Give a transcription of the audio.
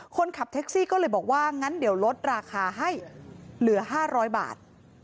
คนขับแท็กซี่ก็เลยบอกว่างั้นเดี๋ยวลดราคาให้เหลือ๕๐๐บาท